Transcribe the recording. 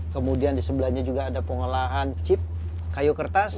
kemudian di sebelahnya juga ada pengolahan chip kayu kertas